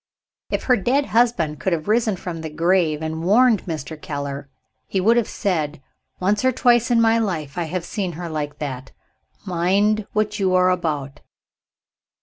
If her dead husband could have risen from the grave, and warned Mr. Keller, he would have said, "Once or twice in my life, I have seen her like that mind what you are about!"